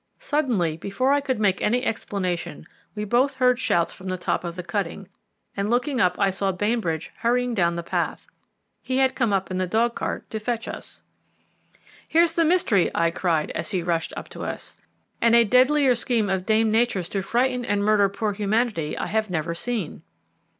Suddenly, before I could make an explanation, we both heard shouts from the top of the cutting, and looking up I saw Bainbridge hurrying down the path. He had come in the dog cart to fetch us. "Here's the mystery," I cried as he rushed up to us, "and a deadlier scheme of Dame Nature's to frighten and murder poor humanity I have never seen."